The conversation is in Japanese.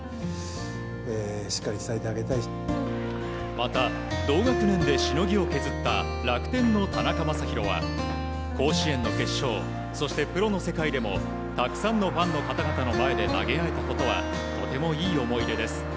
また、同学年でしのぎを削った楽天の田中将大は甲子園の決勝そしてプロの世界でもたくさんのファンの方々の前で投げ合えたことはとてもいい思い出です。